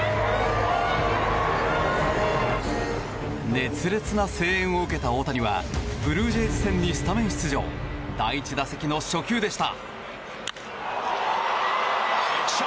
熱烈な声援を受けた大谷はブルージェイズ戦にスタメン出場第１打席の初球でした。